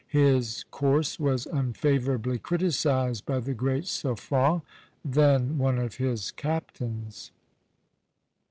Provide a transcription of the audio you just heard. His course was unfavorably criticised by the great Suffren, then one of his captains.